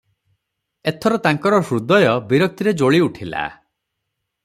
ଏଥର ତାଙ୍କର ହୃଦୟ ବିରକ୍ତିରେ ଜ୍ୱଳି ଉଠିଲା ।